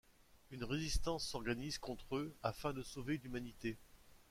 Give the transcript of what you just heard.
Une résistance s’organise contre eux afin de sauver l'humanité.